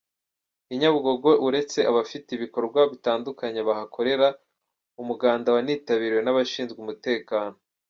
I Nyabugogo uretse abafite ibikorwa bitandukanye bahakorera, umuganda wanitabiriwe n’abashinzwe umutekano.